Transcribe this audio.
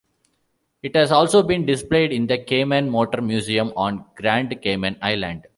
It has also been displayed in the Cayman Motor Museum on Grand Cayman Island.